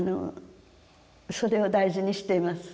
それを大事にしています。